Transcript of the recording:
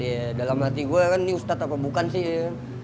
iya dalam hati gue kan ini ustadz apa bukan sih ya